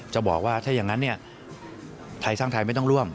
บอกว่าถ้าอย่างนั้นเนี่ยไทยสร้างไทยไม่ต้องร่วม